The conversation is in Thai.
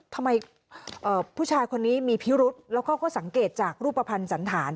ทำไมผู้ชายคนนี้มีพิรุษแล้วเขาก็สังเกตจากรูปภัณฑ์สันธาร